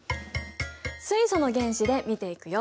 水素の原子で見ていくよ。